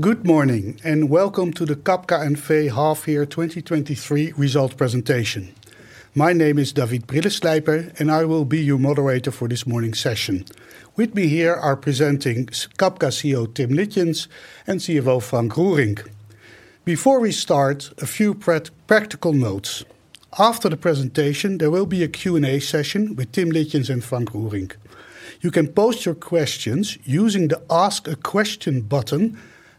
Good morning, welcome to the Cabka N.V. half year 2023 result presentation. My name is David Brilleslijper, and I will be your Moderator for this morning's session. With me here are presenting Cabka CEO, Tim Litjens, and CFO, Frank Roerink. Before we start, a few practical notes. After the presentation, there will be a Q&A session with Tim Litjens and Frank Roerink. You can post your questions using the Ask a Question button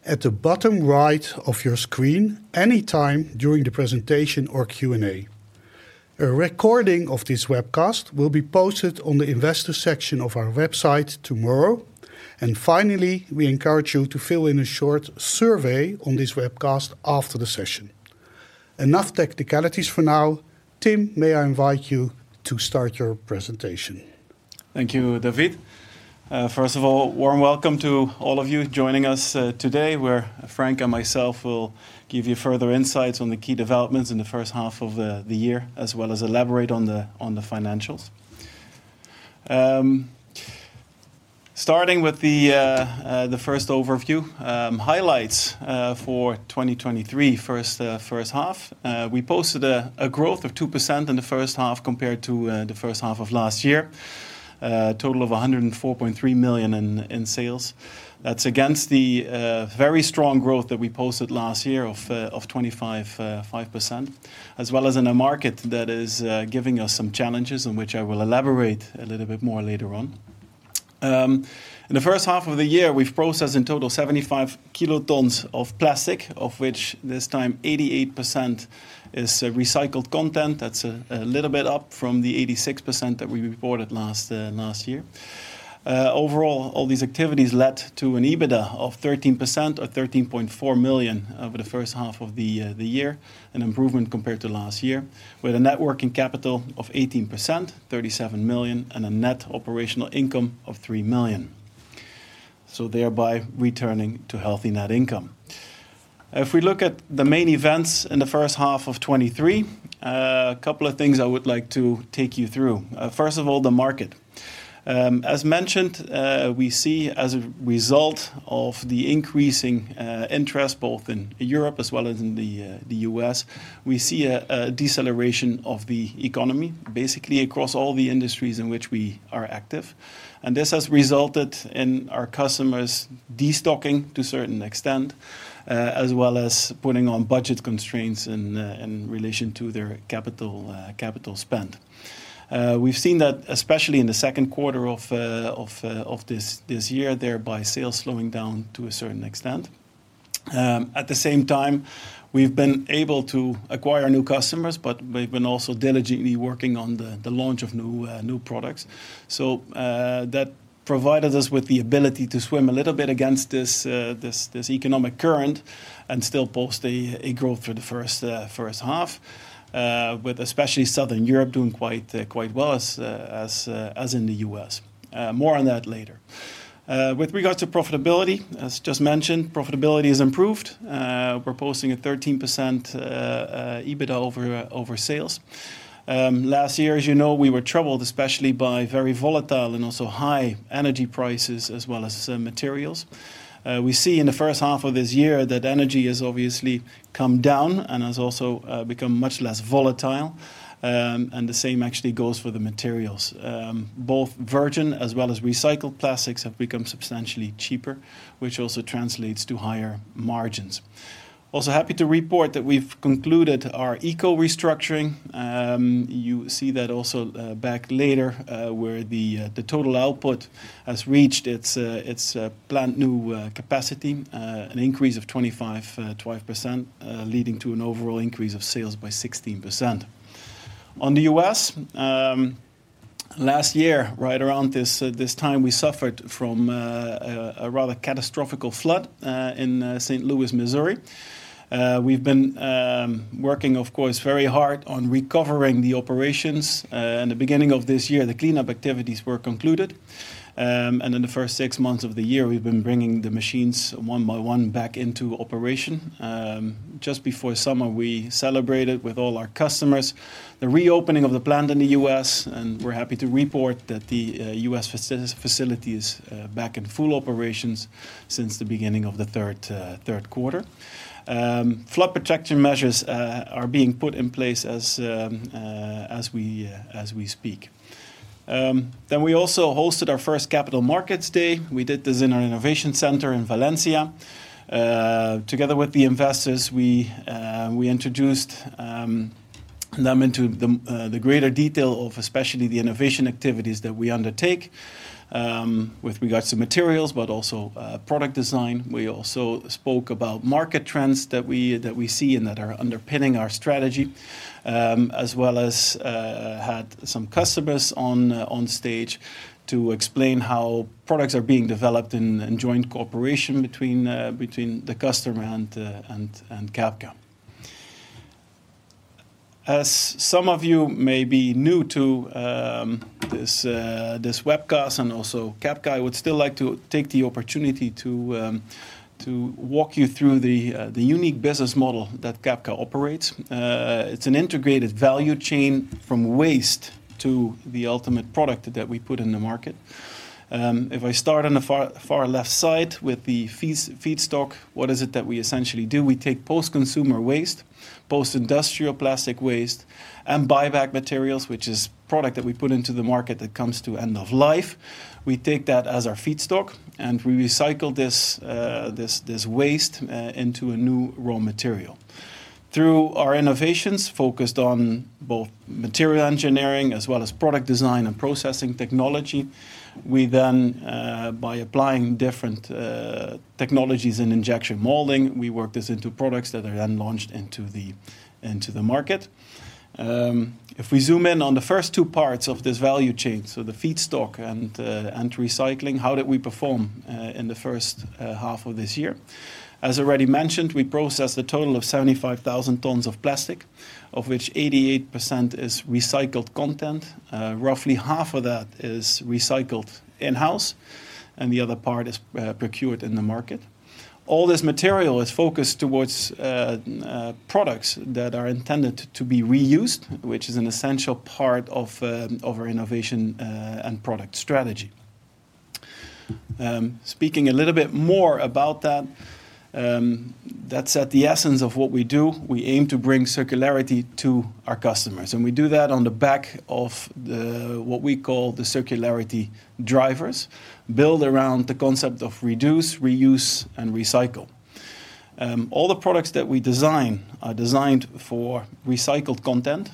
at the bottom right of your screen anytime during the presentation or Q&A. A recording of this webcast will be posted on the investor section of our website tomorrow. Finally, we encourage you to fill in a short survey on this webcast after the session. Enough technicalities for now. Tim, may I invite you to start your presentation? Thank you, David. First of all, warm welcome to all of you joining us today, where Frank and myself will give you further insights on the key developments in the first half of the year, as well as elaborate on the financials. Starting with the first overview. Highlights for 2023, first half. We posted a growth of 2% in the first half compared to the first half of last year. A total of 104.3 million in sales. That's against the very strong growth that we posted last year of 25.5%, as well as in a market that is giving us some challenges, on which I will elaborate a little bit more later on. In the first half of the year, we've processed in total 75 kilotons of plastic, of which this time 88% is recycled content. That's a little bit up from the 86% that we reported last year. Overall, all these activities led to an EBITDA of 13%, or 13.4 million over the first half of the year, an improvement compared to last year, with a net working capital of 18%, 37 million, and a net operating income of 3 million, so thereby returning to healthy net income. If we look at the main events in the first half of 2023, a couple of things I would like to take you through. First of all, the market. As mentioned, we see as a result of the increasing interest both in Europe as well as in the US, we see a deceleration of the economy, basically across all the industries in which we are active. This has resulted in our customers destocking to a certain extent, as well as putting on budget constraints in relation to their capital capital spend. We've seen that especially in the second quarter of this year, thereby sales slowing down to a certain extent. At the same time, we've been able to acquire new customers, but we've been also diligently working on the launch of new new products. That provided us with the ability to swim a little bit against this, this economic current and still post a growth for the first first half, with especially Southern Europe doing quite quite well as as as in the US. More on that later. With regards to profitability, as just mentioned, profitability has improved. We're posting a 13% EBITDA over sales. Last year, as you know, we were troubled, especially by very volatile and also high energy prices, as well as materials. We see in the first half of this year that energy has obviously come down and has also become much less volatile, and the same actually goes for the materials. Both virgin as well as recycled plastics have become substantially cheaper, which also translates to higher margins. Also happy to report that we've concluded our Eco restructuring. You see that also back later where the total output has reached its its plant new capacity, an increase of 12%, leading to an overall increase of sales by 16%. On the U.S., last year, right around this time, we suffered from a rather catastrophic flood in St. Louis, Missouri. We've been working, of course, very hard on recovering the operations. In the beginning of this year, the cleanup activities were concluded. In the first six months of the year, we've been bringing the machines one by one back into operation. Just before summer, we celebrated with all our customers, the reopening of the plant in the US, and we're happy to report that the US facility is back in full operations since the beginning of the third quarter. Flood protection measures are being put in place as we speak. We also hosted our first Capital Markets Day. We did this in our innovation center in Valencia. Together with the investors, we introduced them into the greater detail of especially the innovation activities that we undertake with regards to materials, but also product design. We also spoke about market trends that we, that we see and that are underpinning our strategy, as well as had some customers on stage to explain how products are being developed in joint cooperation between the customer and Cabka. As some of you may be new to this webcast and also Cabka, I would still like to take the opportunity to walk you through the unique business model that Cabka operates. It's an integrated value chain from waste to the ultimate product that we put in the market. If I start on the far, far left side with the feedstock, what is it that we essentially do? We take post-consumer waste, post-industrial plastic waste, and buyback materials, which is product that we put into the market that comes to end of life. We take that as our feedstock, we recycle this, this waste into a new raw material. Through our innovations, focused on both material engineering as well as product design and processing technology, we then by applying different technologies in injection molding, we work this into products that are then launched into the, into the market. If we zoom in on the first two parts of this value chain, so the feedstock and recycling, how did we perform in the first half of this year? As already mentioned, we processed a total of 75,000 tons of plastic, of which 88% is recycled content. Roughly half of that is recycled in-house, and the other part is procured in the market. All this material is focused towards products that are intended to be reused, which is an essential part of our innovation and product strategy. Speaking a little bit more about that, that's at the essence of what we do. We aim to bring circularity to our customers, and we do that on the back of the... what we call the circularity drivers, built around the concept of reduce, reuse, and recycle. All the products that we design are designed for recycled content,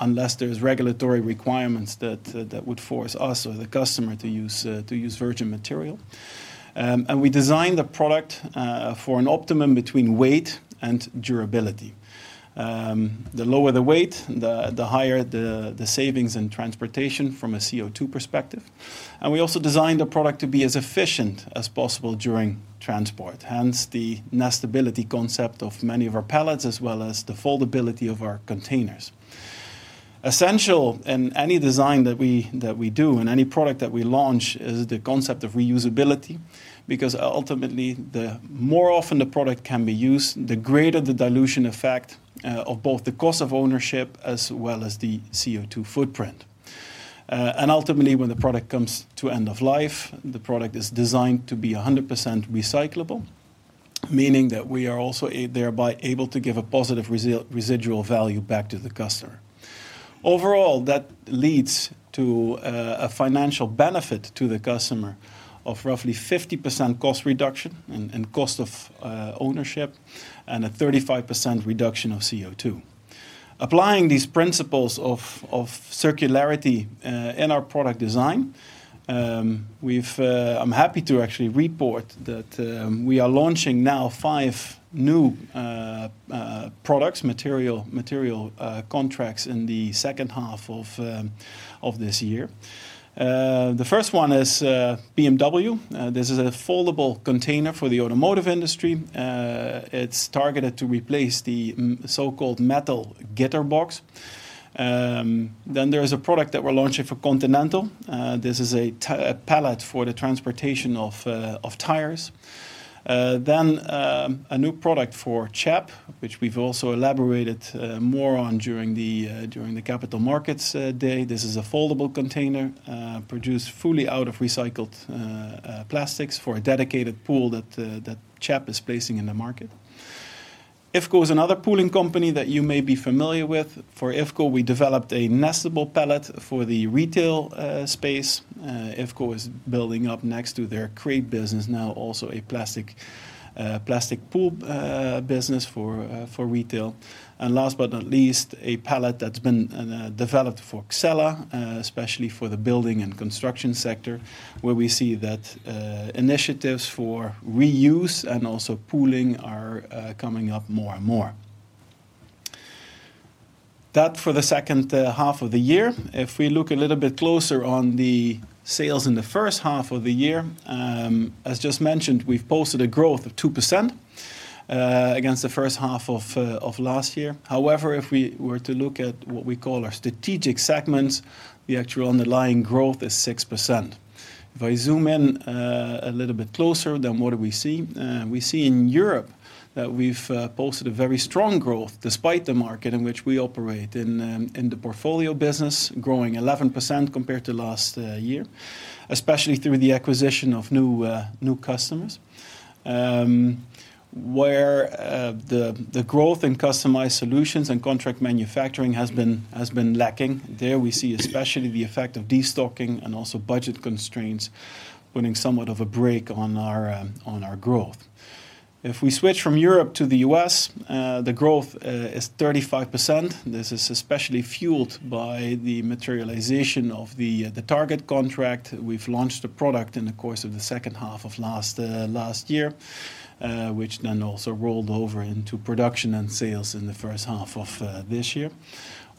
unless there's regulatory requirements that would force us or the customer to use to use virgin material. We design the product for an optimum between weight and durability. The lower the weight, the, the higher the, the savings and transportation from a CO2 perspective. We also design the product to be as efficient as possible during transport, hence the nestability concept of many of our pallets, as well as the foldability of our containers. Essential in any design that we, that we do, and any product that we launch, is the concept of reusability. Ultimately, the more often the product can be used, the greater the dilution effect of both the cost of ownership as well as the CO2 footprint. Ultimately, when the product comes to end of life, the product is designed to be 100% recyclable, meaning that we are also thereby able to give a positive residual value back to the customer. Overall, that leads to a financial benefit to the customer of roughly 50% cost reduction and cost of ownership, and a 35% reduction of CO2. Applying these principles of circularity in our product design, we've. I'm happy to actually report that we are launching now 5 new products, material, material contracts in the second half of this year. The first one is BMW. This is a foldable container for the automotive industry. It's targeted to replace the so-called metal gitterbox. There is a product that we're launching for Continental. This is a pallet for the transportation of tires. A new product for CHEP, which we've also elaborated more on during the Capital Markets Day. This is a foldable container, produced fully out of recycled plastics for a dedicated pool that CHEP is placing in the market. IFCO Systems is another pooling company that you may be familiar with. For IFCO Systems, we developed a nestable pallet for the retail space. IFCO Systems is building up next to their crate business, now also a plastic plastic pool business for for retail. Last but not least, a pallet that's been developed for Xella especially for the building and construction sector, where we see that initiatives for reuse and also pooling are coming up more and more. That for the second half of the year. If we look a little bit closer on the sales in the first half of the year, as just mentioned, we've posted a growth of 2% against the first half of last year. However, if we were to look at what we call our strategic segments, the actual underlying growth is 6%. If I zoom in a little bit closer, then what do we see? We see in Europe that we've posted a very strong growth despite the market in which we operate, in the portfolio business, growing 11% compared to last year, especially through the acquisition of new new customers. Where the the growth in customized solutions and contract manufacturing has been, has been lacking. There, we see especially the effect of destocking and also budget constraints putting somewhat of a brake on our on our growth. If we switch from Europe to the US, the growth is 35%. This is especially fueled by the materialization of the Target contract. We've launched a product in the course of the second half of last last year, which then also rolled over into production and sales in the first half of this year.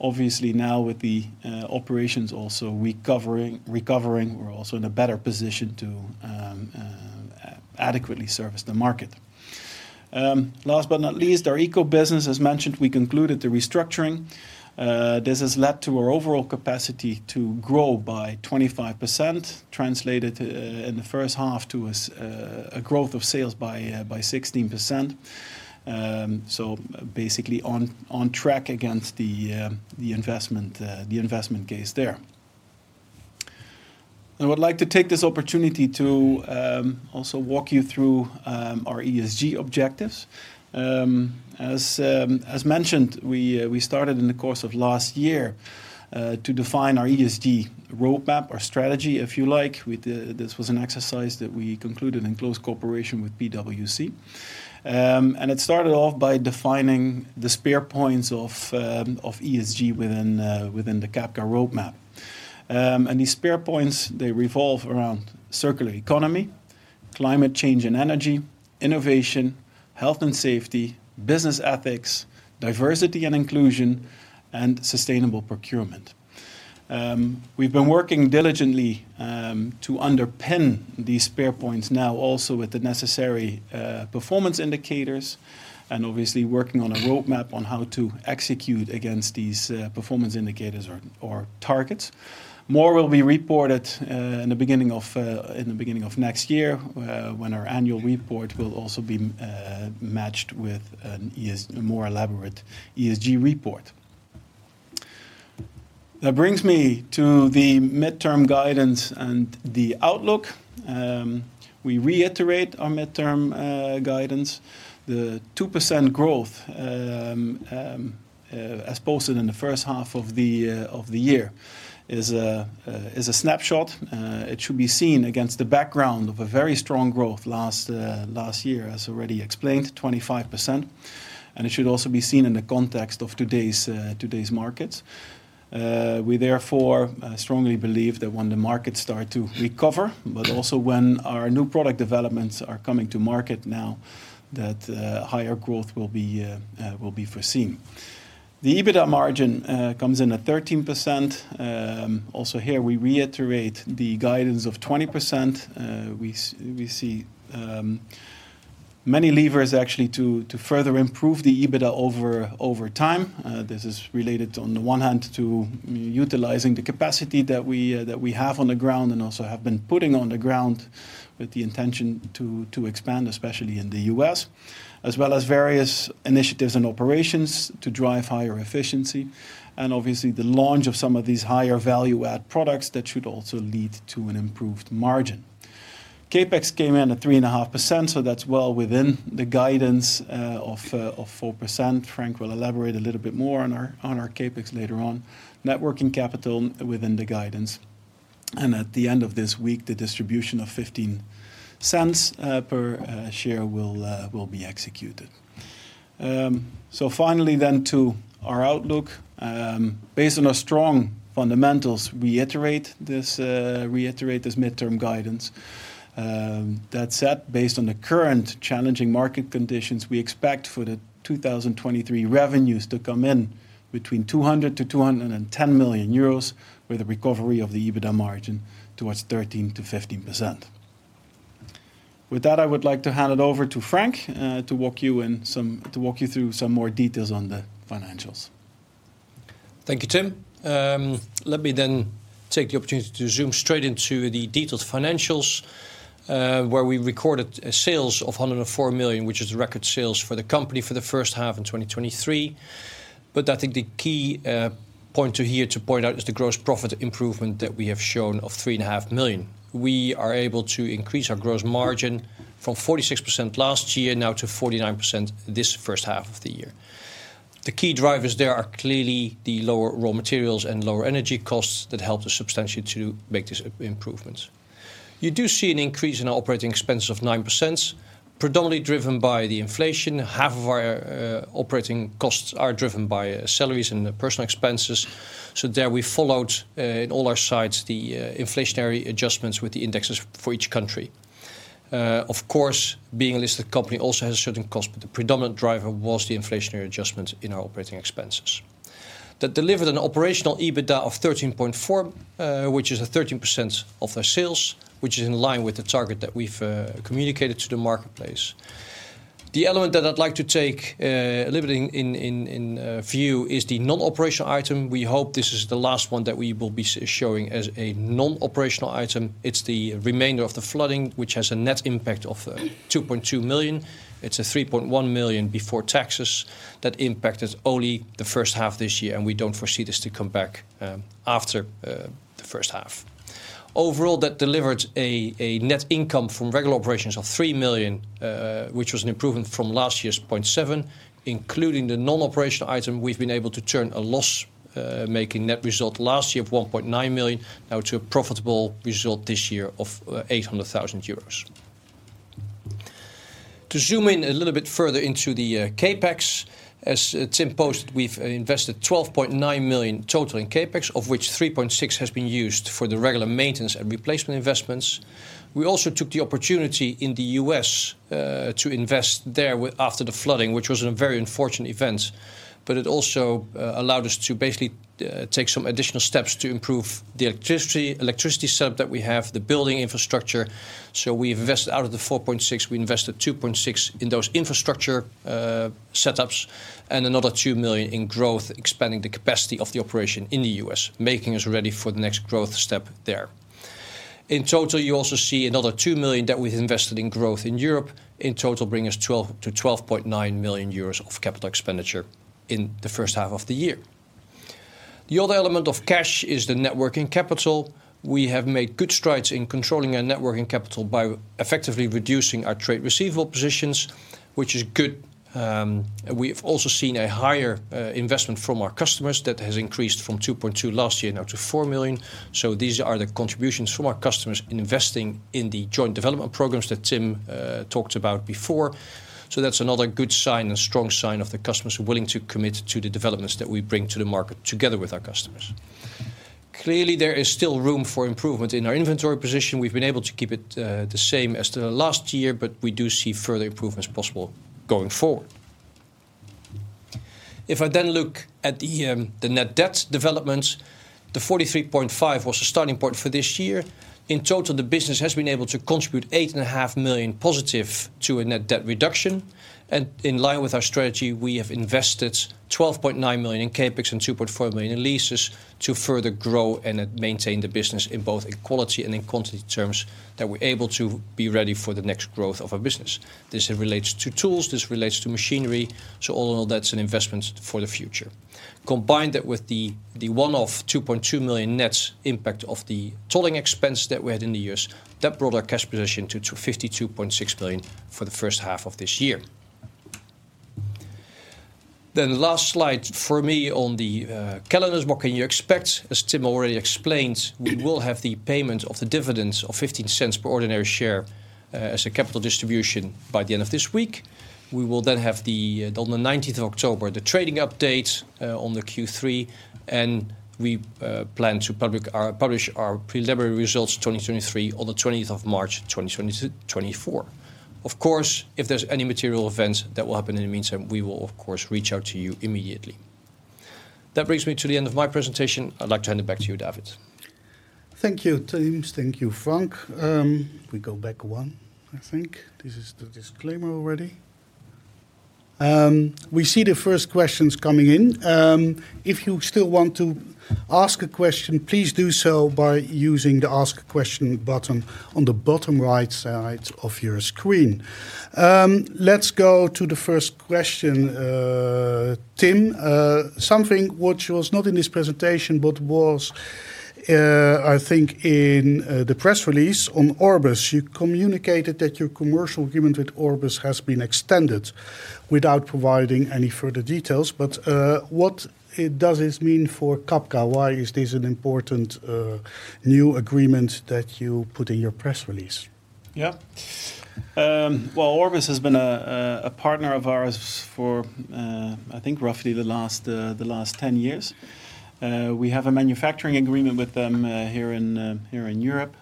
Obviously, now with the operations also recovering, recovering, we're also in a better position to adequately service the market. Last but not least, our ECO business, as mentioned, we concluded the restructuring. This has led to our overall capacity to grow by 25%, translated in the first half to a growth of sales by 16%. Basically on, on track against the investment, the investment case there. I would like to take this opportunity to also walk you through our ESG objectives. As mentioned, we started in the course of last year to define our ESG roadmap or strategy, if you like, this was an exercise that we concluded in close cooperation with PwC. It started off by defining the spear points of ESG within the Cabka roadmap. These spear points, they revolve around circular economy, climate change and energy, innovation, health and safety, business ethics, diversity and inclusion, and sustainable procurement. We've been working diligently to underpin these spear points now also with the necessary performance indicators, and obviously working on a roadmap on how to execute against these performance indicators or targets. More will be reported in the beginning of next year, when our annual report will also be matched with a more elaborate ESG report. That brings me to the midterm guidance and the outlook. We reiterate our midterm guidance. The 2% growth, as posted in the first half of the year, is a snapshot. It should be seen against the background of a very strong growth last year, as already explained, 25%, and it should also be seen in the context of today's markets. We therefore strongly believe that when the markets start to recover, but also when our new product developments are coming to market now, that higher growth will be foreseen. The EBITDA margin comes in at 13%. Also here, we reiterate the guidance of 20%. We see many levers actually to further improve the EBITDA over time. This is related, on the one hand, to utilizing the capacity that we that we have on the ground, and also have been putting on the ground, with the intention to expand, especially in the US, as well as various initiatives and operations to drive higher efficiency, obviously, the launch of some of these higher value-add products that should also lead to an improved margin. CapEx came in at 3.5%, that's well within the guidance of 4%. Frank will elaborate a little bit more on our, on our CapEx later on. Net working capital within the guidance, at the end of this week, the distribution of 0.15 per share will be executed. Finally, to our outlook. Based on our strong fundamentals, we iterate this, reiterate this midterm guidance. That said, based on the current challenging market conditions, we expect for the 2023 revenues to come in between 200 million-210 million euros, with a recovery of the EBITDA margin towards 13%-15%. With that, I would like to hand it over to Frank, to walk you through some more details on the financials. Thank you, Tim. Let me take the opportunity to zoom straight into the detailed financials, where we recorded sales of 104 million, which is record sales for the company for the first half in 2023. I think the key point here to point out is the gross profit improvement that we have shown of 3.5 million. We are able to increase our gross margin from 46% last year, now to 49% this first half of the year. The key drivers there are clearly the lower raw materials and lower energy costs that helped us substantially to make these improvements. You do see an increase in our operating expense of 9%, predominantly driven by the inflation. Half of our operating costs are driven by salaries and personal expenses. There we followed in all our sites, the inflationary adjustments with the indexes for each country. Of course, being a listed company also has certain costs. The predominant driver was the inflationary adjustments in our operating expenses. That delivered an operational EBITDA of 13.4, which is a 13% of our sales, which is in line with the target that we've communicated to the marketplace. The element that I'd like to take a little bit in, in, in, in, view is the non-operational item. We hope this is the last one that we will be showing as a non-operational item. It's the remainder of the flooding, which has a net impact of 2.2 million. It's a 3.1 million before taxes. That impact is only the first half this year, and we don't foresee this to come back after the first half. Overall, that delivered a net income from regular operations of 3 million, which was an improvement from last year's 0.7 million. Including the non-operational item, we've been able to turn a loss, making net result last year of 1.9 million, now to a profitable result this year of 800,000 euros. To zoom in a little bit further into the CapEx, as Tim posted, we've invested 12.9 million total in CapEx, of which 3.6 million has been used for the regular maintenance and replacement investments. We also took the opportunity in the U.S., to invest there after the flooding, which was a very unfortunate event, but it also allowed us to basically take some additional steps to improve the electricity, electricity setup that we have, the building infrastructure. We invested out of the 4.6, we invested 2.6 in those infrastructure setups, and another 2 million in growth, expanding the capacity of the operation in the U.S., making us ready for the next growth step there. In total, you also see another 2 million that we've invested in growth in Europe, in total bringing us 12 million-12.9 million euros of CapEx in the first half of the year. The other element of cash is the net working capital. We have made good strides in controlling our net working capital by effectively reducing our trade receivable positions, which is good. We have also seen a higher investment from our customers. That has increased from 2.2 million last year now to 4 million. These are the contributions from our customers in investing in the joint development programs that Tim talked about before. That's another good sign and strong sign of the customers are willing to commit to the developments that we bring to the market together with our customers. Clearly, there is still room for improvement. In our inventory position, we've been able to keep it the same as the last year, but we do see further improvements possible going forward. If I look at the net debt developments, 43.5 was a starting point for this year. In total, the business has been able to contribute 8.5 million positive to a net debt reduction. In line with our strategy, we have invested 12.9 million in CapEx and 2.4 million in leases to further grow and maintain the business in both in quality and in quantity terms, that we're able to be ready for the next growth of our business. This relates to tools, this relates to machinery, so all in all, that's an investment for the future. Combine that with the one-off 2.2 million net impact of the tolling expense that we had in the years, that brought our cash position to 52.6 million for the first half of this year. The last slide for me on the calendars, what can you expect? As Tim already explained, we will have the payment of the dividends of 0.15 per ordinary share as a capital distribution by the end of this week. We will then have the on the 19th of October, the trading update on the Q3. We plan to publish our preliminary results 2023 on the 20th of March, 2024. Of course, if there's any material events that will happen in the meantime, we will, of course, reach out to you immediately. That brings me to the end of my presentation. I'd like to hand it back to you, David. Thank you, Tim. Thank you, Frank. If we go back one, I think. This is the disclaimer already. We see the first questions coming in. If you still want to ask a question, please do so by using the Ask a Question button on the bottom right side of your screen. Let's go to the first question. Tim, something which was not in this presentation, but was, I think in the press release on Orbis, you communicated that your commercial agreement with Orbis has been extended without providing any further details. What does this mean for Cabka? Why is this an important new agreement that you put in your press release? Yeah. Well, Orbis has been a partner of ours for I think roughly the last 10 years. We have a manufacturing agreement with them here in Europe.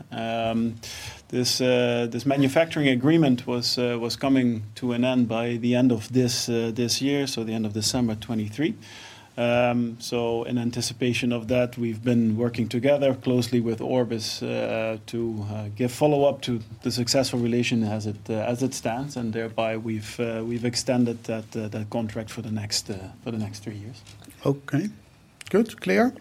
This manufacturing agreement was coming to an end by the end of this year, so the end of December 2023. In anticipation of that, we've been working together closely with Orbis to give follow-up to the successful relation as it stands, and thereby we've extended that contract for the next three years. Okay. Good, clear.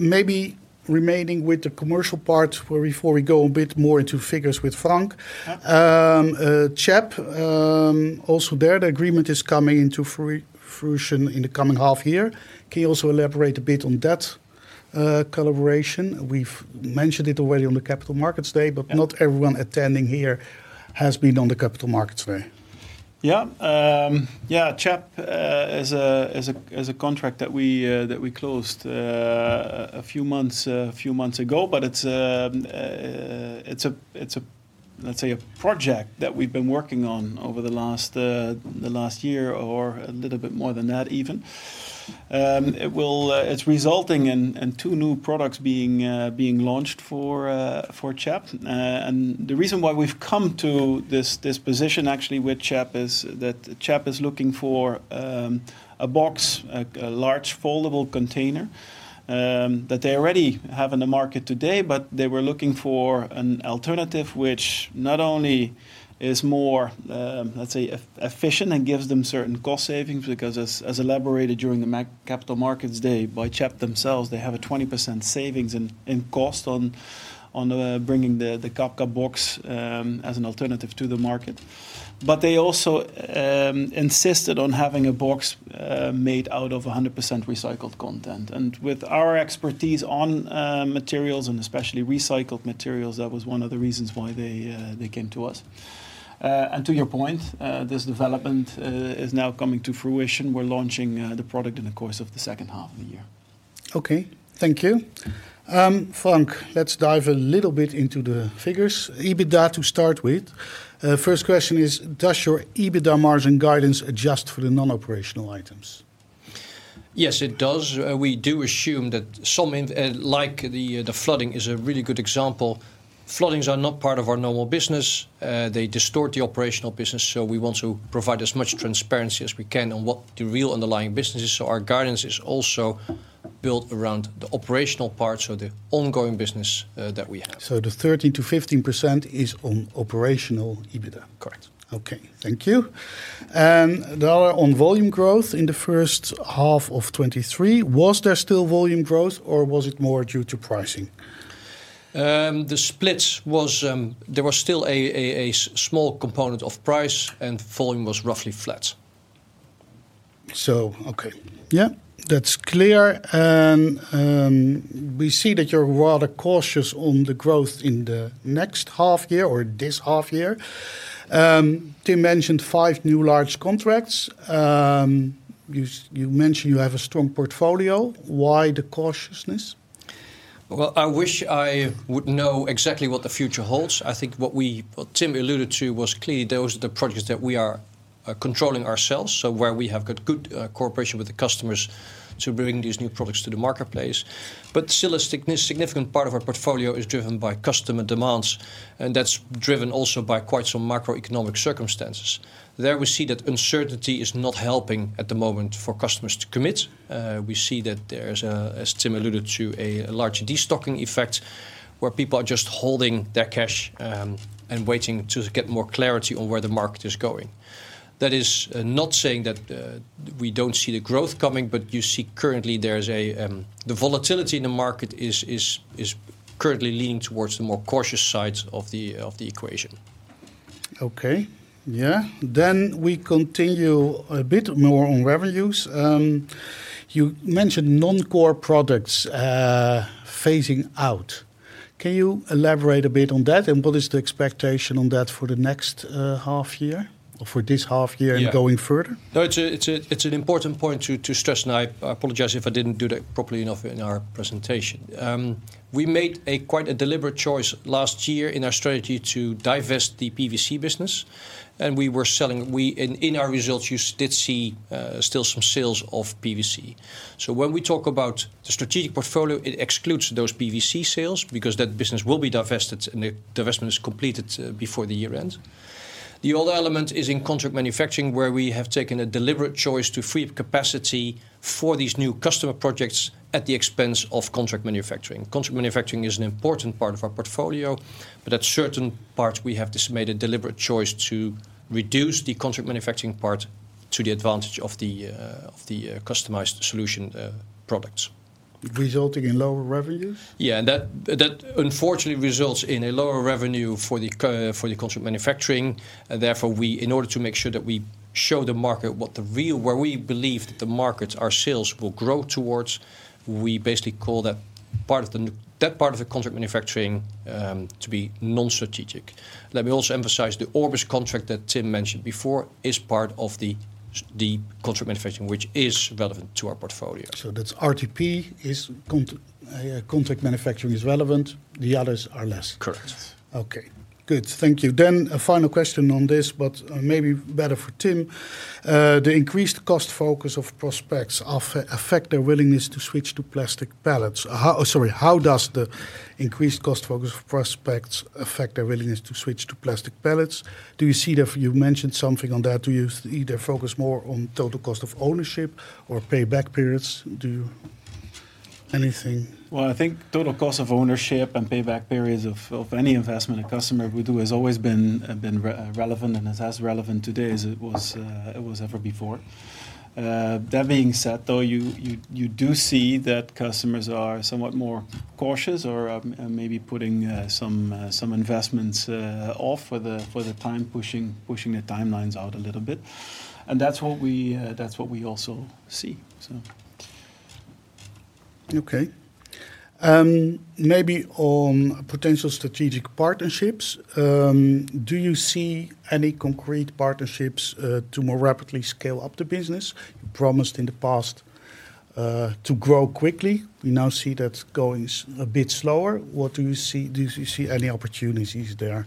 Maybe remaining with the commercial part where before we go a bit more into figures with Frank. Yeah. CHEP, also there, the agreement is coming into fruition in the coming half year. Can you also elaborate a bit on that collaboration? We've mentioned it already on the Capital Markets Day. Yeah Not everyone attending here has been on the Capital Markets Day. CHEP is a, is a, is a contract that we that we closed a few months, a few months ago, but it's it's a, it's a, let's say, a project that we've been working on over the last the last year or a little bit more than that, even. It's resulting in 2 new products being launched for CHEP. The reason why we've come to this, this position actually with CHEP is that CHEP is looking for a box, a large foldable container, that they already have in the market today, but they were looking for an alternative which not only is more, let's say, efficient and gives them certain cost savings, because as elaborated during the Capital Markets Day, by CHEP themselves, they have a 20% savings in cost on bringing the Cabka box as an alternative to the market. They also insisted on having a box made out of 100% recycled content. With our expertise on materials, and especially recycled materials, that was one of the reasons why they came to us. To your point, this development is now coming to fruition. We're launching the product in the course of the second half of the year. Okay. Thank you. Frank, let's dive a little bit into the figures. EBITDA, to start with, first question is: Does your EBITDA margin guidance adjust for the non-operational items? Yes, it does. We do assume that some like the flooding is a really good example. Floodings are not part of our normal business. They distort the operational business, we want to provide as much transparency as we can on what the real underlying business is. Our guidance is also built around the operational parts of the ongoing business, that we have. The 13%-15% is on operational EBITDA? Correct. Okay, thank you. On volume growth in the first half of 2023, was there still volume growth or was it more due to pricing? ... The splits was, there was still a small component of price, and volume was roughly flat. Okay. Yeah, that's clear. We see that you're rather cautious on the growth in the next half year or this half year. Tim mentioned 5 new large contracts. You mentioned you have a strong portfolio. Why the cautiousness? Well, I wish I would know exactly what the future holds. I think what we, what Tim alluded to was clearly those are the projects that we are controlling ourselves, so where we have got good cooperation with the customers to bring these new products to the marketplace. Still, a significant part of our portfolio is driven by customer demands, and that's driven also by quite some macroeconomic circumstances. There, we see that uncertainty is not helping at the moment for customers to commit. We see that there's a, as Tim alluded to, a large de-stocking effect, where people are just holding their cash, and waiting to get more clarity on where the market is going. That is, not saying that we don't see the growth coming, but you see currently there's a... The volatility in the market is currently leaning towards the more cautious sides of the equation. Okay. Yeah. We continue a bit more on revenues. You mentioned non-core products, phasing out. Can you elaborate a bit on that, and what is the expectation on that for the next half year, or for this half year? Yeah Going further? It's a, it's a, it's an important point to, to stress, and I, I apologize if I didn't do that properly enough in our presentation. We made a quite a deliberate choice last year in our strategy to divest the PVC business, and in our results, you did see still some sales of PVC. When we talk about the strategic portfolio, it excludes those PVC sales because that business will be divested, and the divestment is completed before the year ends. The other element is in contract manufacturing, where we have taken a deliberate choice to free up capacity for these new customer projects at the expense of contract manufacturing. Contract manufacturing is an important part of our portfolio, but at certain parts, we have just made a deliberate choice to reduce the contract manufacturing part to the advantage of the of the customized solution products. Resulting in lower revenues? Yeah, and that, that unfortunately results in a lower revenue for the contract manufacturing. We, in order to make sure that we show the market what the where we believe that the markets, our sales will grow towards, we basically call that part of the that part of the contract manufacturing to be non-strategic. Let me also emphasize, the Orbis contract that Tim mentioned before is part of the the contract manufacturing, which is relevant to our portfolio. That's RTP is yeah, contract manufacturing is relevant, the others are less? Correct. Okay, good. Thank you. A final question on this, but, maybe better for Tim. The increased cost focus of prospects affect their willingness to switch to plastic pallets. How. Sorry, how does the increased cost focus of prospects affect their willingness to switch to plastic pallets? Do you see the. You mentioned something on that. Do you either focus more on total cost of ownership or payback periods? Do you anything? Well, I think total cost of ownership and payback periods of, of any investment a customer would do has always been relevant and is as relevant today as it was ever before. That being said, though, you do see that customers are somewhat more cautious or maybe putting some investments off for the time, pushing the timelines out a little bit. That's what we also see. Okay. Maybe on potential strategic partnerships, do you see any concrete partnerships to more rapidly scale up the business? You promised in the past to grow quickly. We now see that's going a bit slower. What do you see? Do you see any opportunities there?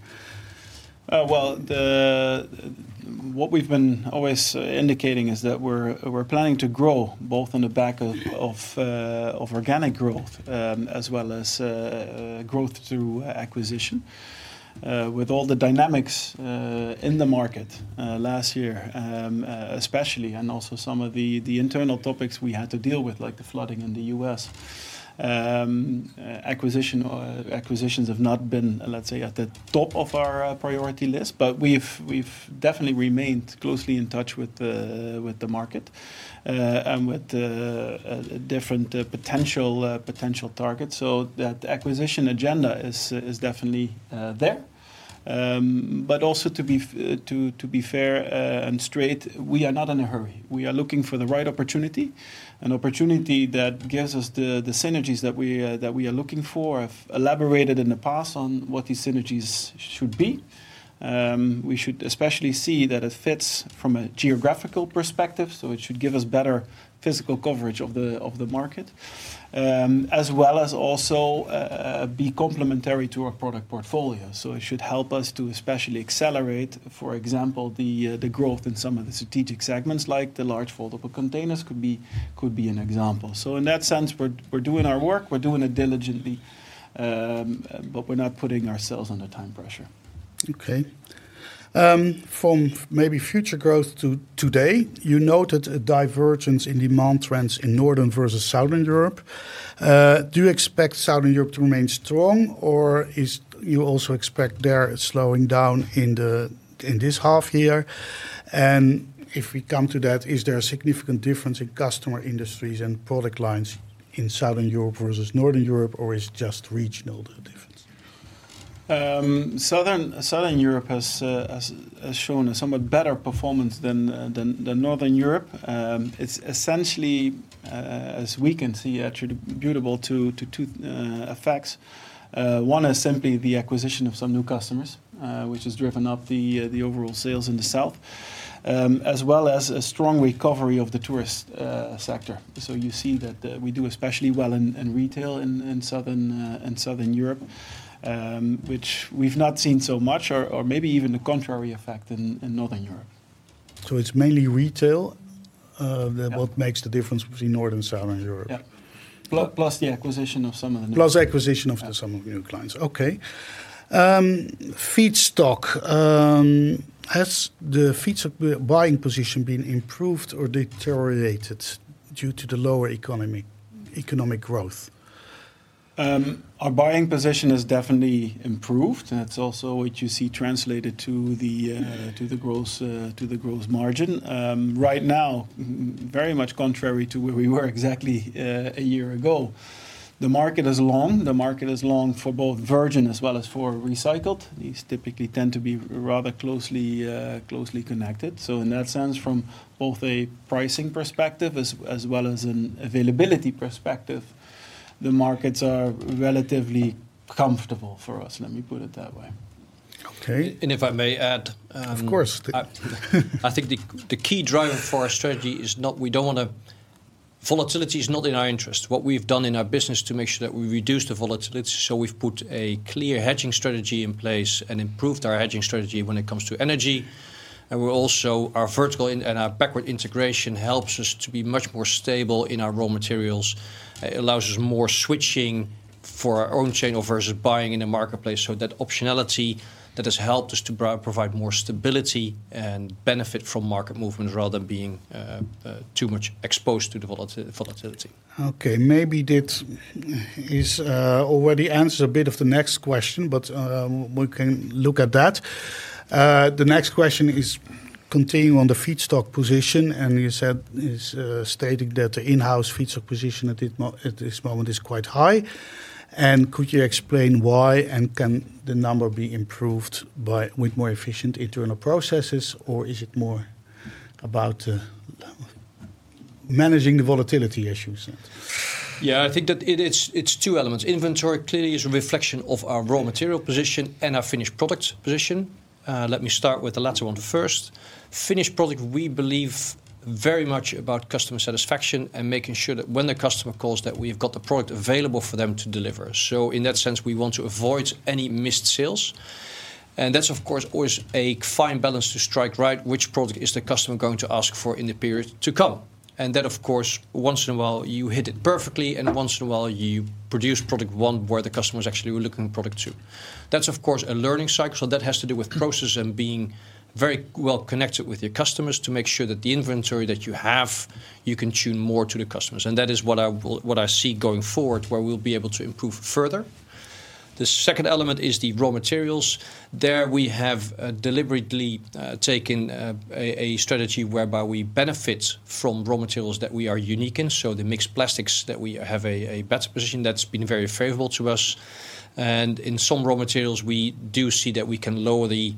Well, the, what we've been always indicating is that we're, we're planning to grow, both on the back of, of organic growth, as well as growth through acquisition. With all the dynamics in the market last year, especially, and also some of the, the internal topics we had to deal with, like the flooding in the US, acquisition or acquisitions have not been, let's say, at the top of our priority list. We've, we've definitely remained closely in touch with the, with the market, and with the different potential potential targets. That acquisition agenda is, is definitely there. Also to be fair and straight, we are not in a hurry. We are looking for the right opportunity, an opportunity that gives us the, the synergies that we that we are looking for. I've elaborated in the past on what these synergies should be. We should especially see that it fits from a geographical perspective, so it should give us better physical coverage of the, of the market, as well as also be complementary to our product portfolio. It should help us to especially accelerate, for example, the growth in some of the strategic segments, like the large foldable containers could be, could be an example. In that sense, we're, we're doing our work, we're doing it diligently, but we're not putting ourselves under time pressure. Okay. From maybe future growth to today, you noted a divergence in demand trends in Northern versus Southern Europe. Do you expect Southern Europe to remain strong, or do you also expect they are slowing down in the, in this half year? If we come to that, is there a significant difference in customer industries and product lines in Southern Europe versus Northern Europe, or it's just regional, the difference? ... Southern, Southern Europe has, has, has shown a somewhat better performance than, than, than Northern Europe. It's essentially, as we can see, actually, attributable to, to 2 effects. One is simply the acquisition of some new customers, which has driven up the, the overall sales in the south. As well as a strong recovery of the tourist sector. You see that, we do especially well in, in retail in, in Southern, in Southern Europe. Which we've not seen so much or, or maybe even the contrary effect in, in Northern Europe. It's mainly retail. Yeah that what makes the difference between Northern and Southern Europe? Yeah. plus the acquisition of some of the new- Plus acquisition of the some of new clients. Yeah. Okay. Feedstock. Has the feedstock buying position been improved or deteriorated due to the lower economy, economic growth? Our buying position has definitely improved, and it's also what you see translated to the to the gross margin. Right now, very much contrary to where we were exactly a year ago. The market is long. The market is long for both virgin as well as for recycled. These typically tend to be rather closely connected, so in that sense, from both a pricing perspective as well as an availability perspective, the markets are relatively comfortable for us, let me put it that way. Okay. If I may add. Of course.... I think the key driver for our strategy is not we don't want to. Volatility is not in our interest. What we've done in our business to make sure that we reduce the volatility. We've put a clear hedging strategy in place and improved our hedging strategy when it comes to energy. Our vertical in and our backward integration helps us to be much more stable in our raw materials. It allows us more switching for our own chain versus buying in the marketplace. That optionality, that has helped us to provide more stability and benefit from market movements rather than being too much exposed to the volatility. Okay, maybe that's already answer a bit of the next question. We can look at that. The next question is continuing on the feedstock position. You said, is stating that the in-house feedstock position at this moment is quite high. Could you explain why, and can the number be improved by, with more efficient internal processes, or is it more about managing the volatility issues? Yeah, I think that it, it's, it's two elements. Inventory clearly is a reflection of our raw material position and our finished products position. Let me start with the latter one first. Finished product, we believe very much about customer satisfaction and making sure that when the customer calls, that we've got the product available for them to deliver. In that sense, we want to avoid any missed sales, and that's, of course, always a fine balance to strike, right? Which product is the customer going to ask for in the period to come? That, of course, once in a while you hit it perfectly, and once in a while you produce product one, where the customer is actually looking product two. That's, of course, a learning cycle, so that has to do with process and being very well connected with your customers to make sure that the inventory that you have, you can tune more to the customers. That is what I see going forward, where we'll be able to improve further. The second element is the raw materials. There we have deliberately taken a strategy whereby we benefit from raw materials that we are unique in, so the mixed plastics that we have a better position, that's been very favorable to us. In some raw materials, we do see that we can lower the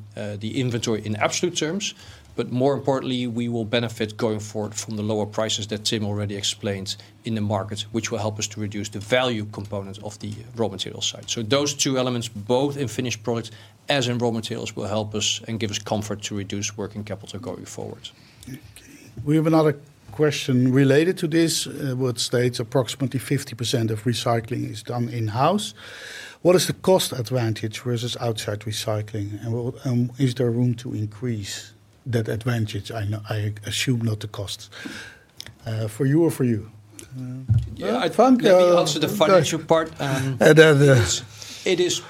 inventory in absolute terms, but more importantly, we will benefit going forward from the lower prices that Tim already explained in the markets, which will help us to reduce the value component of the raw material side. Those two elements, both in finished products as in raw materials, will help us and give us comfort to reduce working capital going forward. We have another question related to this, which states approximately 50% of recycling is done in-house. What is the cost advantage versus outside recycling? Is there room to increase that advantage? I assume not the cost. For you or for you? Yeah, I think. Let me answer the financial part. And, uh,... it is,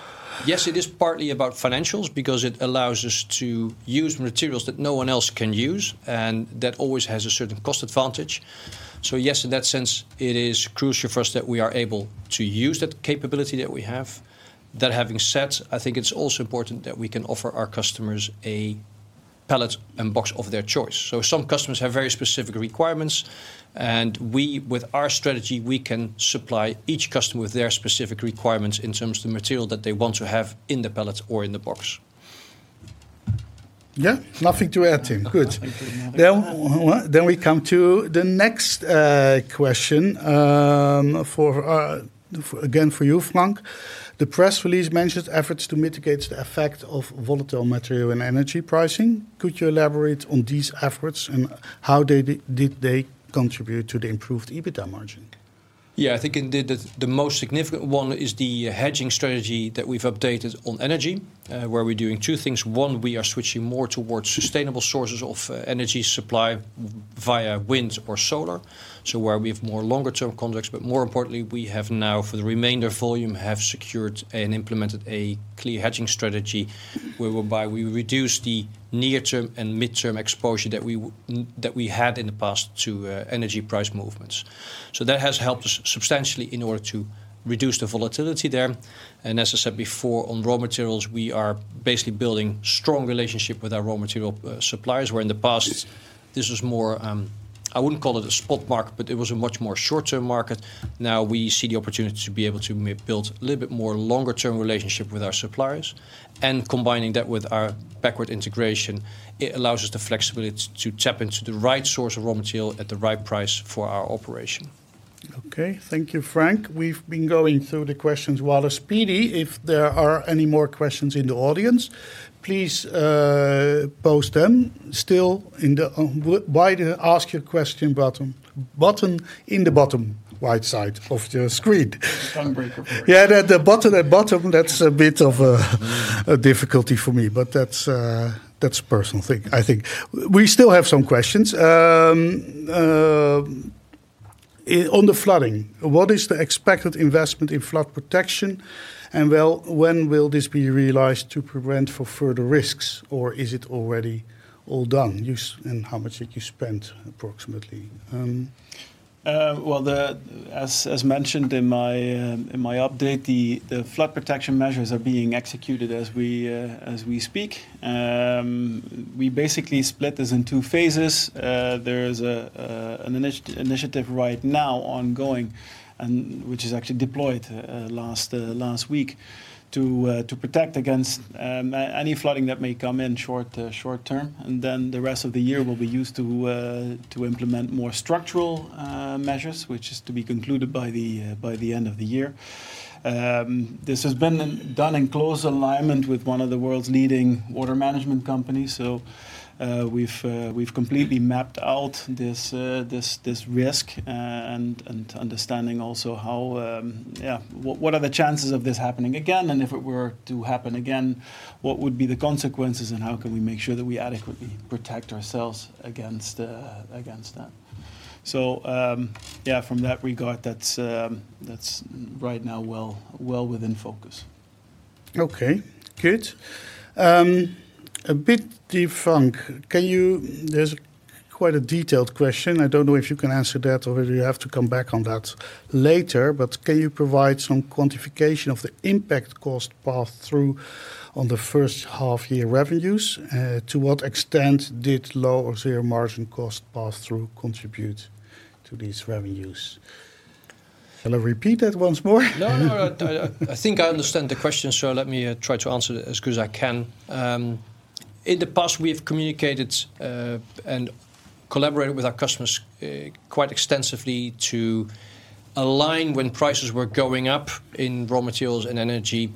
yes, it is partly about financials, because it allows us to use materials that no one else can use, and that always has a certain cost advantage. Yes, in that sense, it is crucial for us that we are able to use that capability that we have. That having said, I think it's also important that we can offer our customers a pallet and box of their choice. Some customers have very specific requirements, and we, with our strategy, we can supply each customer with their specific requirements in terms of the material that they want to have in the pallet or in the box. Yeah. Nothing to add, Tim. Good. Nothing to add. we come to the next question again, for you, Frank. The press release mentions efforts to mitigate the effect of volatile material and energy pricing. Could you elaborate on these efforts, and how they did they contribute to the improved EBITDA margin? I think indeed, the, the most significant one is the hedging strategy that we've updated on energy, where we're doing two things. One, we are switching more towards sustainable sources of energy supply, via wind or solar, so where we have more longer term contracts, but more importantly, we have now, for the remainder volume, have secured and implemented a clear hedging strategy, whereby we reduce the near-term and mid-term exposure that we had in the past to energy price movements. That has helped us substantially in order to reduce the volatility there. As I said before, on raw materials, we are basically building strong relationship with our raw material suppliers, where in the past this was more, I wouldn't call it a spot market, but it was a much more short-term market. Now we see the opportunity to be able to build a little bit more longer-term relationship with our suppliers, and combining that with our backward integration, it allows us the flexibility to tap into the right source of raw material at the right price for our operation. Okay. Thank you, Frank. We've been going through the questions rather speedy. If there are any more questions in the audience, please post them still in the by the Ask Your Question button, button in the bottom right side of the screen. Tongue breaker for you. Yeah, that, the button at bottom, that's a bit of a difficulty for me, but that's a personal thing, I think. We still have some questions. On the flooding, what is the expected investment in flood protection, and well, when will this be realized to prevent for further risks, or is it already all done? And how much did you spend approximately? Well, the, as, as mentioned in my update, the, the flood protection measures are being executed as we speak. We basically split this in two phases. There's an initiative right now ongoing, which is actually deployed last week, to protect against any flooding that may come in short term, and then the rest of the year will be used to implement more structural measures, which is to be concluded by the end of the year. This has been done in close alignment with one of the world's leading water management companies, so we've completely mapped out this, this risk, and understanding also how… Yeah, what, what are the chances of this happening again? If it were to happen again, what would be the consequences, and how can we make sure that we adequately protect ourselves against, against that? Yeah, from that regard, that's, that's right now well, well within focus. Okay. Good. A bit different, can you... There's quite a detailed question. I don't know if you can answer that, or whether you have to come back on that later, but can you provide some quantification of the impact cost pass-through on the first half-year revenues? To what extent did low or zero margin cost pass-through contribute to these revenues? Shall I repeat that once more? No, no, no, I, I think I understand the question, so let me try to answer it as good as I can. In the past, we have communicated and collaborated with our customers quite extensively to align when prices were going up in raw materials and energy,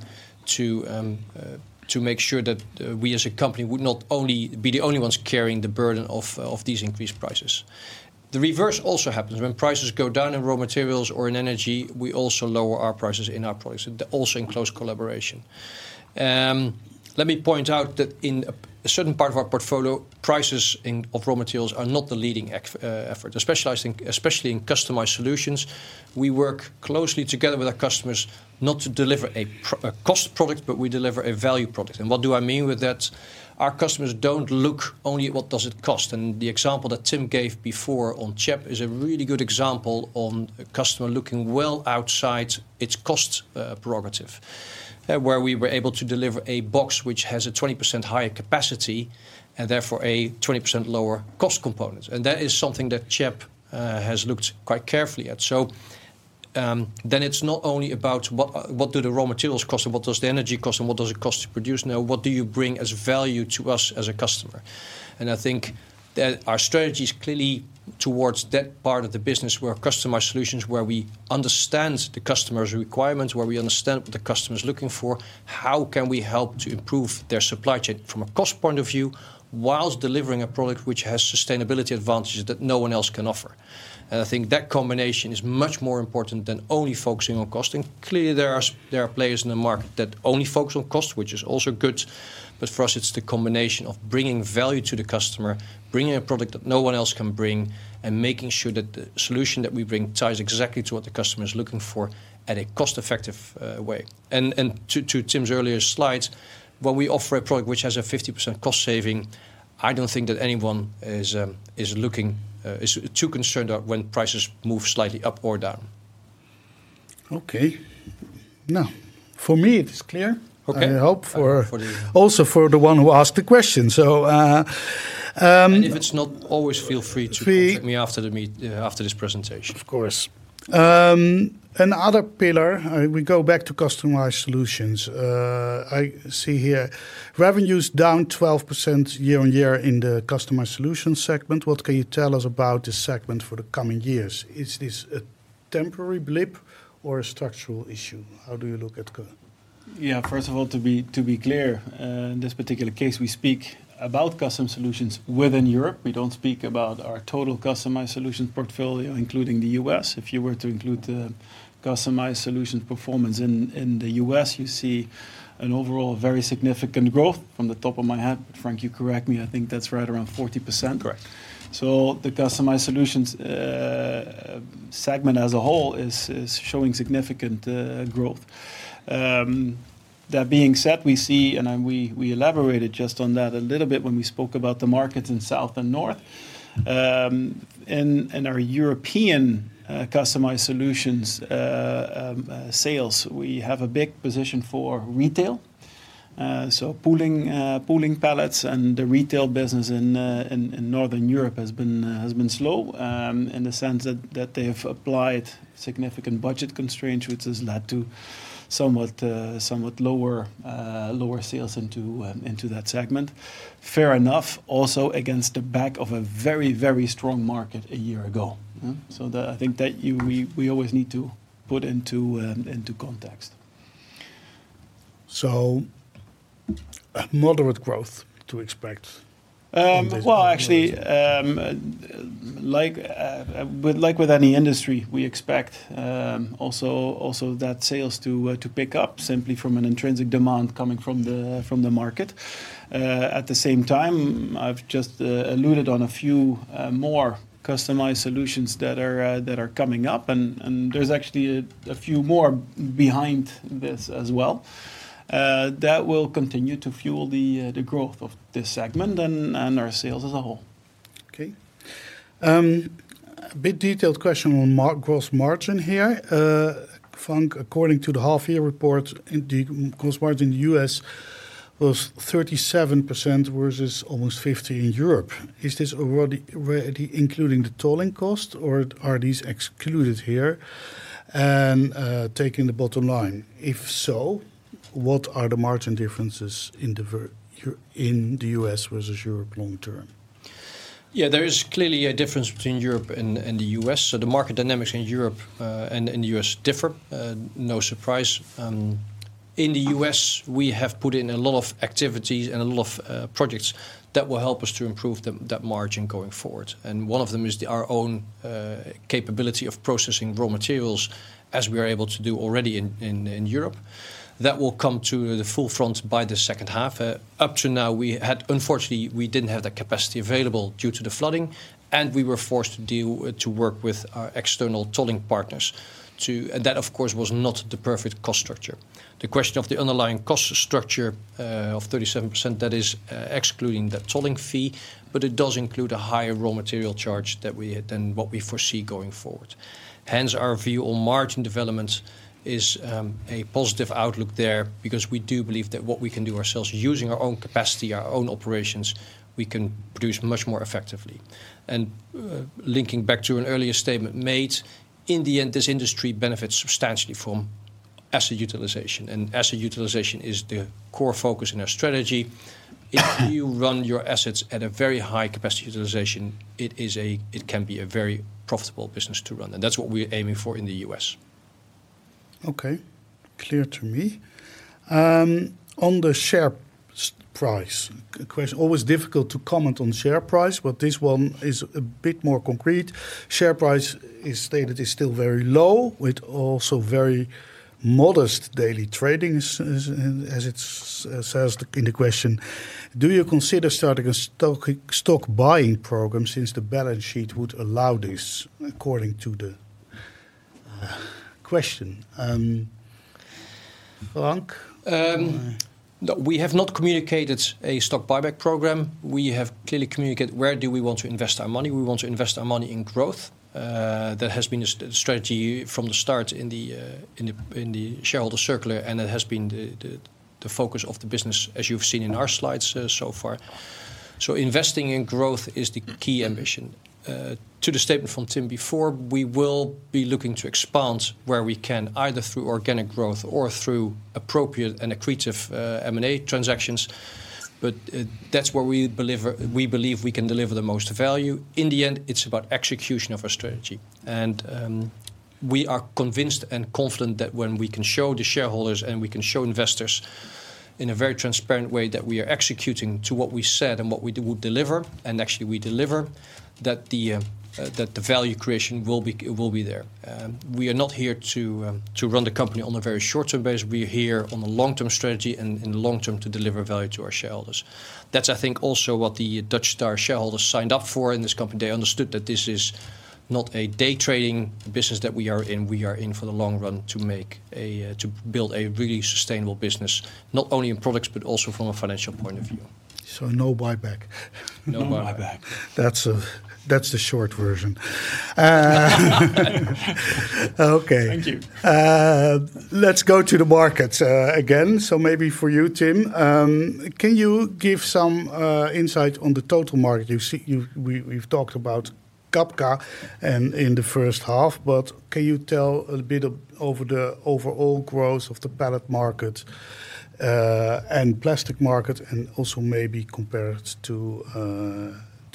to make sure that we as a company would not only be the only ones carrying the burden of these increased prices. The reverse also happens, when prices go down in raw materials or in energy, we also lower our prices in our products, and also in close collaboration. Let me point out that in a certain part of our portfolio, prices in, of raw materials are not the leading effort, especially I think, especially in customized solutions, we work closely together with our customers not to deliver a cost product, but we deliver a value product. What do I mean with that? Our customers don't look only at what does it cost, the example that Tim gave before on CHEP is a really good example on a customer looking well outside its cost prerogative, where we were able to deliver a box which has a 20% higher capacity, and therefore a 20% lower cost component. That is something that CHEP has looked quite carefully at. It's not only about what do the raw materials cost, and what does the energy cost, and what does it cost to produce? Now, what do you bring as value to us as a customer? I think that our strategy is clearly towards that part of the business, where customized solutions, where we understand the customer's requirements, where we understand what the customer is looking for, how can we help to improve their supply chain from a cost point of view, whilst delivering a product which has sustainability advantages that no one else can offer? I think that combination is much more important than only focusing on cost, and clearly there are there are players in the market that only focus on cost, which is also good, but for us, it's the combination of bringing value to the customer, bringing a product that no one else can bring, and making sure that the solution that we bring ties exactly to what the customer is looking for at a cost-effective way. To to Tim's earlier slides, when we offer a product which has a 50% cost saving, I don't think that anyone is looking, is, is too concerned at when prices move slightly up or down. Okay. Now, for me, it is clear. Okay. I hope for- For the-... also for the one who asked the question. If it's not, always feel free to- Three... contact me after this presentation. Of course. another pillar, we go back to customized solutions. I see here, revenue's down 12% year-over-year in the customized solutions segment. What can you tell us about this segment for the coming years? Is this a temporary blip or a structural issue? How do you look at co- Yeah, first of all, to be, to be clear, in this particular case, we speak about custom solutions within Europe. We don't speak about our total customized solutions portfolio, including the US. If you were to include the customized solutions performance in, in the US, you see an overall very significant growth from the top of my head, but Frank, you correct me, I think that's right around 40%. Correct. The customized solutions segment as a whole is, is showing significant growth. That being said, we see, and then we, we elaborated just on that a little bit when we spoke about the markets in south and north. In, in our European customized solutions sales, we have a big position for retail-... so pooling, pooling pallets and the retail business in Northern Europe has been slow, in the sense that, that they have applied significant budget constraints, which has led to somewhat, somewhat lower, lower sales into that segment. Fair enough, also against the back of a very, very strong market a year ago, hmm? I think that we always need to put into context. moderate growth to expect from this... Well, actually, like, with, like with any industry, we expect, also, also that sales to pick up simply from an intrinsic demand coming from the, from the market. At the same time, I've just alluded on a few more customized solutions that are that are coming up, and, and there's actually a few more behind this as well. That will continue to fuel the growth of this segment and, and our sales as a whole. Okay. A bit detailed question on gross margin here. Frank, according to the half-year report, in the gross margin in the US was 37%, versus almost 50% in Europe. Is this already, already including the tolling cost, or are these excluded here? Taking the bottom line, if so, what are the margin differences in the US versus Europe long term? Yeah, there is clearly a difference between Europe and the U.S. The market dynamics in Europe and the U.S. differ, no surprise. In the U.S., we have put in a lot of activities and a lot of projects that will help us to improve that margin going forward. One of them is our own capability of processing raw materials, as we are able to do already in Europe. That will come to the full front by the second half. Up to now, unfortunately, we didn't have the capacity available due to the flooding, and we were forced to work with our external tolling partners. That, of course, was not the perfect cost structure. The question of the underlying cost structure of 37%, that is, excluding the tolling fee, but it does include a higher raw material charge that we had than what we foresee going forward. Hence, our view on margin developments is a positive outlook there because we do believe that what we can do ourselves, using our own capacity, our own operations, we can produce much more effectively. Linking back to an earlier statement made, in the end, this industry benefits substantially from asset utilization, and asset utilization is the core focus in our strategy. If you run your assets at a very high capacity utilization, it can be a very profitable business to run, and that's what we're aiming for in the US. Okay, clear to me. On the share price question, always difficult to comment on share price, but this one is a bit more concrete. Share price is stated, is still very low, with also very modest daily tradings, as it says in the question: Do you consider starting a stock buying program, since the balance sheet would allow this? According to the question. Frank, No, we have not communicated a stock buyback program. We have clearly communicated where do we want to invest our money. We want to invest our money in growth. That has been the strategy from the start in the, in the shareholder circular, and it has been the focus of the business, as you've seen in our slides so far. Investing in growth is the key ambition. To the statement from Tim before, we will be looking to expand where we can, either through organic growth or through appropriate and accretive M&A transactions, that's where we believe, we believe we can deliver the most value. In the end, it's about execution of our strategy. We are convinced and confident that when we can show the shareholders and we can show investors in a very transparent way, that we are executing to what we said and what we do, we'll deliver, and actually we deliver, that the value creation will be there. We are not here to run the company on a very short-term basis. We're here on a long-term strategy and, and long-term to deliver value to our shareholders. That's, I think, also what the Dutch Star shareholders signed up for in this company. They understood that this is not a day-trading business that we are in. We are in for the long run to make, to build a really sustainable business, not only in products, but also from a financial point of view. No buyback? No buyback. No buyback. That's, that's the short version. Okay. Thank you. Let's go to the market again. Maybe for you, Tim, can you give some insight on the total market? We've talked about Cabka and in the first half, can you tell a little bit about the overall growth of the pallet market and plastic market, and also maybe compared to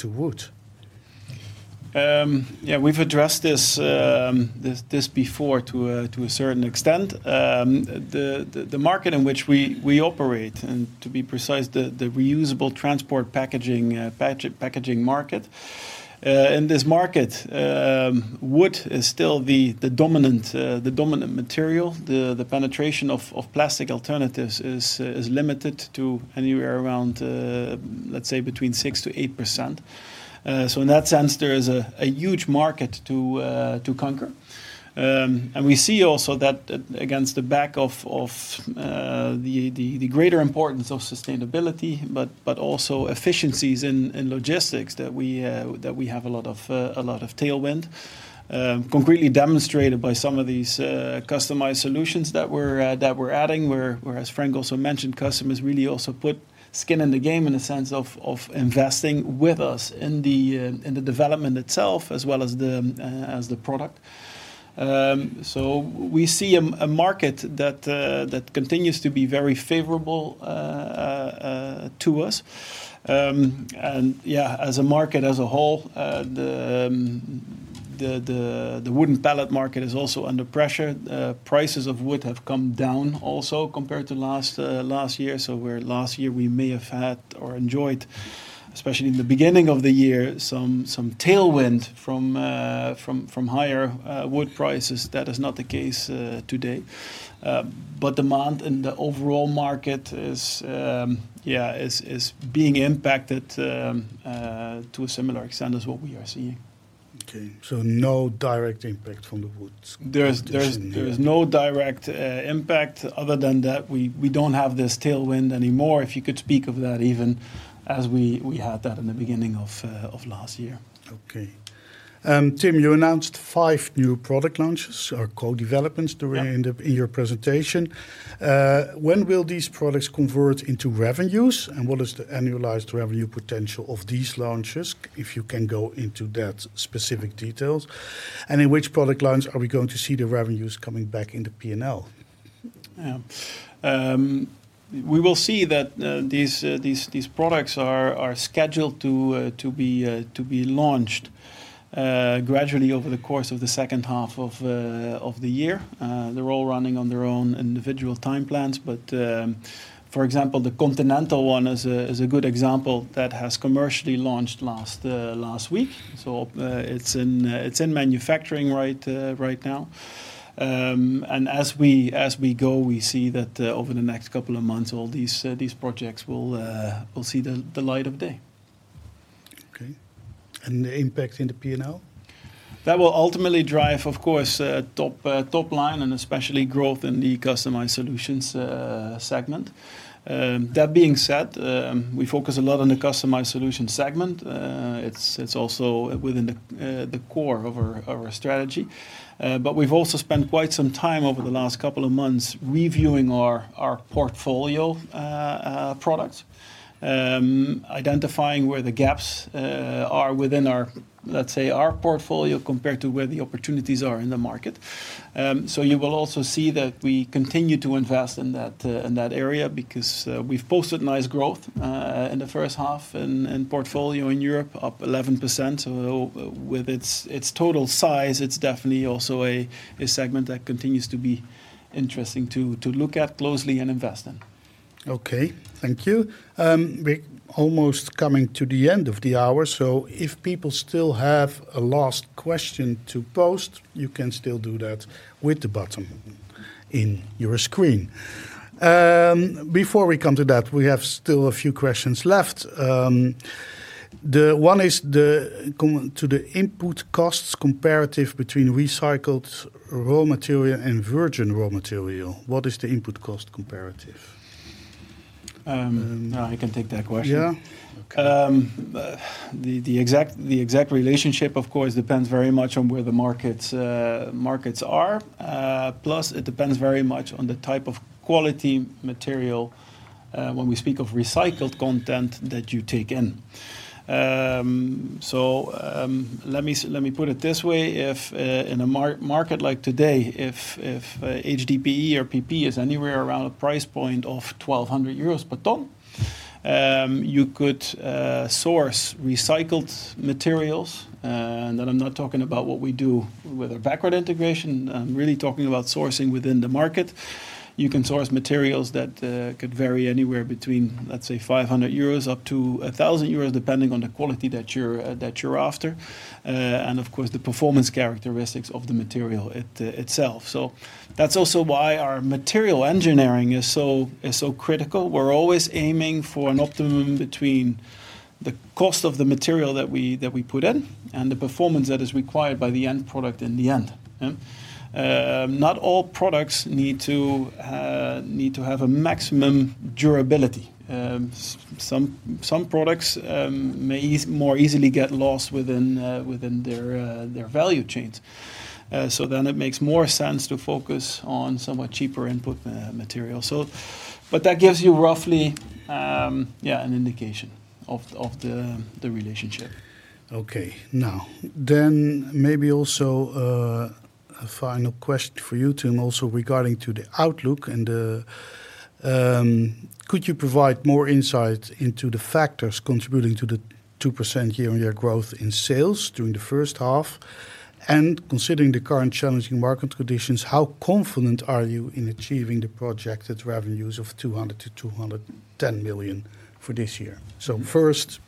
wood? Yeah, we've addressed this before to a certain extent. The market in which we operate, and to be precise, the reusable transport packaging market. In this market, wood is still the dominant material. The penetration of plastic alternatives is limited to anywhere around, let's say between 6-8%. In that sense, there is a huge market to conquer. And we see also that against the back of sustainability, but also efficiencies in logistics that we have a lot of tailwind, concretely demonstrated by some of these customized solutions that we're adding, whereas Frank also mentioned, customers really also put skin in the game in the sense of investing with us in the development itself, as well as the product. We see a market that continues to be very favorable to us. Yeah, as a market as a whole, the wooden pallet market is also under pressure. Prices of wood have come down also compared to last year. Where last year we may have had or enjoyed, especially in the beginning of the year, some, some tailwind from, from higher wood prices, that is not the case today. Demand in the overall market is, yeah, is, is being impacted to a similar extent as what we are seeing. Okay, no direct impact from the woods condition? There is, there is, there is no direct impact. Other than that we, we don't have this tailwind anymore, if you could speak of that even, as we, we had that in the beginning of last year. Okay. Tim, you announced five new product launches or co-developments... Yeah... during the, in your presentation. When will these products convert into revenues? What is the annualized revenue potential of these launches, if you can go into that specific details? In which product launch are we going to see the revenues coming back in the P&L? Yeah. We will see that these, these products are scheduled to be launched gradually over the course of the second half of the year. They're all running on their own individual time plans. For example, the Continental one is a good example that has commercially launched last week. It's in manufacturing right now. As we, as we go, we see that over the next couple of months, all these projects will see the light of day. Okay. The impact in the P&L? That will ultimately drive, of course, top, top line, and especially growth in the customized solutions segment. That being said, we focus a lot on the customized solutions segment. It's, it's also within the core of our strategy. We've also spent quite some time over the last couple of months reviewing our portfolio, products, identifying where the gaps are within our, let's say, our portfolio, compared to where the opportunities are in the market. You will also see that we continue to invest in that, in that area, because we've posted nice growth in the first half, and portfolio in Europe up 11%. With its, its total size, it's definitely also a, a segment that continues to be interesting to, to look at closely and invest in. Okay, thank you. We're almost coming to the end of the hour, so if people still have a last question to post, you can still do that with the button in your screen. Before we come to that, we have still a few questions left. The one is Come to the input costs comparative between recycled raw material and virgin raw material. What is the input cost comparative? I can take that question. Yeah. Okay. The, the exact, the exact relationship, of course, depends very much on where the markets, markets are. It depends very much on the type of quality material, when we speak of recycled content that you take in. Let me put it this way, if, in a market like today, if, if, HDPE or PP is anywhere around a price point of 1,200 euros per ton, you could source recycled materials, and I'm not talking about what we do with our backward integration. I'm really talking about sourcing within the market. You can source materials that could vary anywhere between, let's say, 500 euros up to 1,000 euros, depending on the quality that you're, that you're after, and of course, the performance characteristics of the material itself. That's also why our material engineering is so critical. We're always aiming for an optimum between the cost of the material that we, that we put in and the performance that is required by the end product in the end. Yeah. Not all products need to need to have a maximum durability. Some, some products may more easily get lost within within their their value chains. Then it makes more sense to focus on somewhat cheaper input material. That gives you roughly, yeah, an indication of the, of the, the relationship. Maybe also a final question for you, Tim, also regarding to the outlook. Could you provide more insight into the factors contributing to the 2% year-on-year growth in sales during the first half? Considering the current challenging market conditions, how confident are you in achieving the projected revenues of 200 million-210 million for this year? First,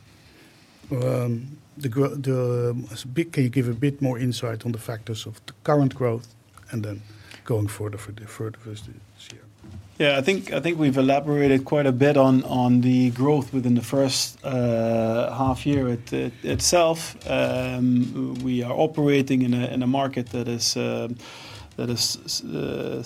Can you give a bit more insight on the factors of the current growth and then going further for the further this year? Yeah, I think, I think we've elaborated quite a bit on, on the growth within the first half year itself. We are operating in a, in a market that is that is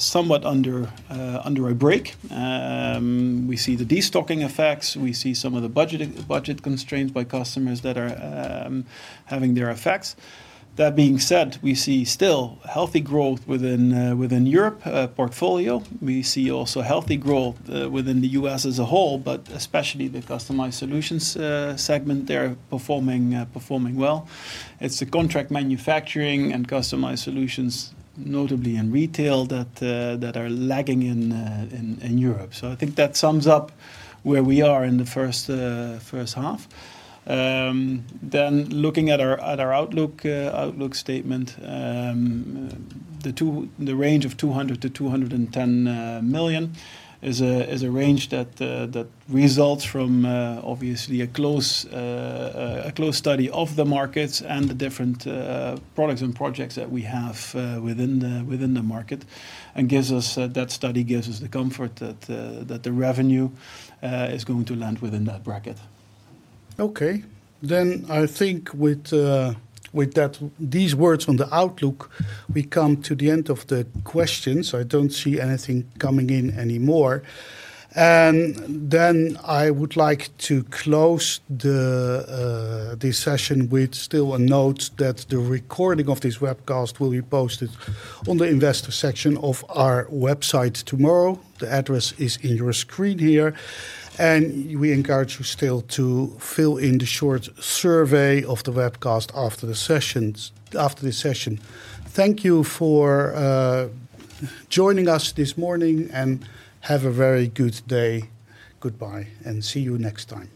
somewhat under a break. We see the destocking effects, we see some of the budget constraints by customers that are having their effects. That being said, we see still healthy growth within within Europe portfolio. We see also healthy growth within the US as a whole, but especially the customized solutions segment- Yeah... they're performing, performing well. It's the contract manufacturing and customized solutions, notably in retail, that are lagging in Europe. I think that sums up where we are in the first half. Looking at our outlook statement, the range of 200 million-210 million is a range that results from obviously a close, a close study of the markets and the different products and projects that we have within the market, and gives us, that study gives us the comfort that the revenue is going to land within that bracket. Okay. I think with that, these words on the outlook, we come to the end of the questions. I don't see anything coming in anymore. I would like to close the session with still a note that the recording of this webcast will be posted on the investor section of our website tomorrow. The address is in your screen here, and we encourage you still to fill in the short survey of the webcast after the sessions, after this session. Thank you for joining us this morning, and have a very good day. Goodbye, and see you next time.